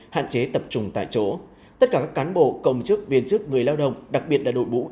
hạn chế tập trung tại chỗ tất cả các cán bộ công chức viên chức người lao động đặc biệt là đội ngũ